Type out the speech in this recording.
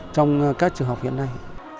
trong các trường học hiện nay